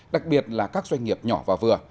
đặc biệt là các doanh nghiệp nhỏ và vừa